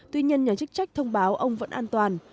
tuy nhiên nhà chức trách thông báo ông vẫn an toàn